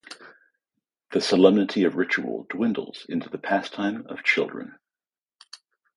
The solemnity of ritual dwindles into the pastime of children.